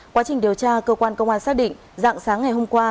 quá trình điều tra cơ quan công an xác định dạng sáng ngày hôm qua